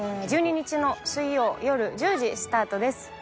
１２日の水曜夜１０時スタートです。